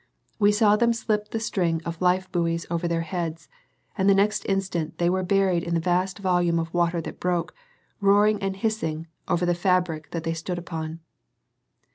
We saw them slip the string of life buoys over their heads, and the next instant they were buried in the vast volume of water that broke, roaring and hissing, over the fabric that they stood upon.